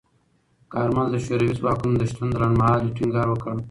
کارمل د شوروي ځواکونو د شتون د لنډمهالۍ ټینګار وکړ.